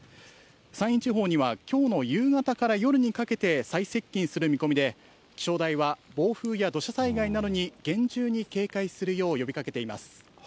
山陰地方にはきょうの夕方から夜にかけて、最接近する見込みで、気象台は暴風や土砂災害などに厳重に警戒するよう呼びかけています。